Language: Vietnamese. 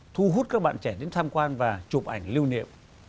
thu hút các bạn trẻ đến tham quan và chụp ảnh lưu niệm